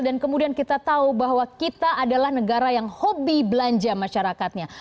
dan kemudian kita tahu bahwa kita adalah negara yang hobi belanja masyarakatnya